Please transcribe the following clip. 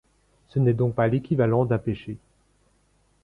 Ce n'est donc pas l'équivalent d'un péché.